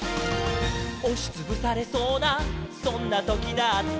「おしつぶされそうなそんなときだって」